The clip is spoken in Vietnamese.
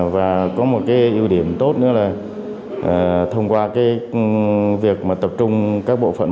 và có một ưu điểm tốt nữa là thông qua việc tập trung các bộ phận một